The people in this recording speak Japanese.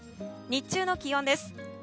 日中の気温です。